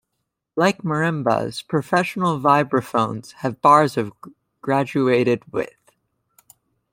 Like marimbas, professional vibraphones have bars of graduated width.